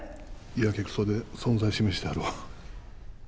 やけくそで存在示してはるわ。